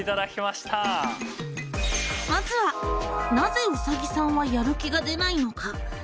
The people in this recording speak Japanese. まずは「なぜうさぎさんはやる気が出ないのか？」。